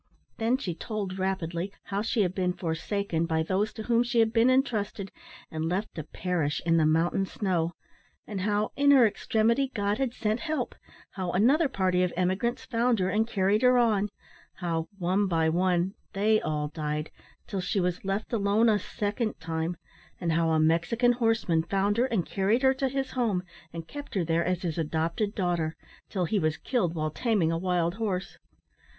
Then she told rapidly, how she had been forsaken by those to whom she had been intrusted, and left to perish in the mountain snow; and how, in her extremity, God had sent help; how another party of emigrants found her and carried her on; how, one by one, they all died, till she was left alone a second time; and how a Mexican horseman found her, and carried her to his home, and kept her there as his adopted daughter, till he was killed while taming a wild horse.